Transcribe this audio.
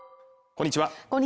こんにちは